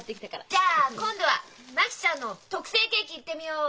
じゃあ今度は真紀ちゃんの特製ケーキいってみよう！